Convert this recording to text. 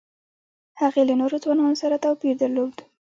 هغې له نورو ځوانانو سره توپیر درلود